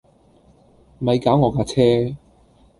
咪搞我架車